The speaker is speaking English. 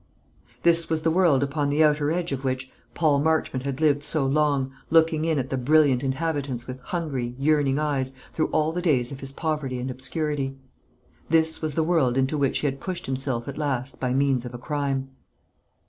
This was the world upon the outer edge of which Paul Marchmont had lived so long, looking in at the brilliant inhabitants with hungry, yearning eyes through all the days of his poverty and obscurity. This was the world into which he had pushed himself at last by means of a crime.